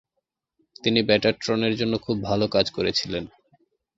তিনি বেটাট্রনের জন্য খুব ভালো কাজ করেছিলেন।